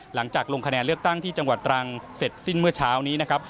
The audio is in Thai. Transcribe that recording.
หลังจากลงคะแนนเลือกตั้งที่จังหวัดตรังเสร็จสิ้นเมื่อเช้านี้นะครับ